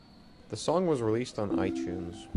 The song was released on iTunes.